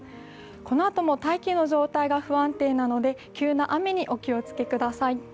このあとも大気の状態が不安定なので急な雨にお気をつけください。